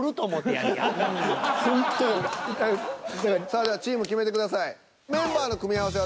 さあではチーム決めてください。